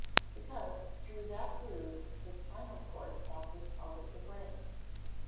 _ Because through that groove the spinal cord passes out from the brain.